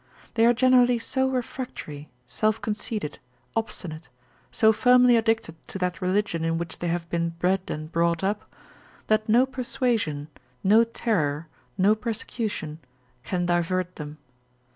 They are generally so refractory, self conceited, obstinate, so firmly addicted to that religion in which they have been bred and brought up, that no persuasion, no terror, no persecution, can divert them.